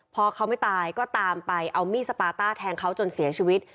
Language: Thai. พอเขาไม่ตายก็ตามไปเอามีดสปาต้าแทงเขาจนเสียชีวิต